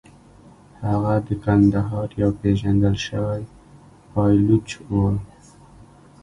هغه د کندهار یو پېژندل شوی پایلوچ و.